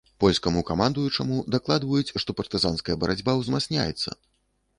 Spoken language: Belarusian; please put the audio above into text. Польскаму камандуючаму дакладваюць, што партызанская барацьба узмацняецца.